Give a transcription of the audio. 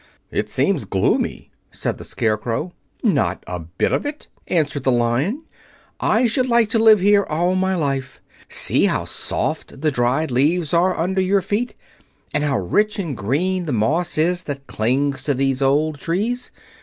"It seems gloomy," said the Scarecrow. "Not a bit of it," answered the Lion. "I should like to live here all my life. See how soft the dried leaves are under your feet and how rich and green the moss is that clings to these old trees.